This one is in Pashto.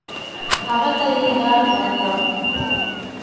هغه ته یې ډاډ ورکړ !